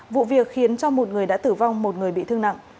vụ việc khiến cho một người đã tử vong một người bị thương nặng